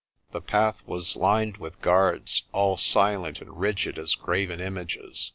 The path was lined with guards, all silent and rigid as graven images.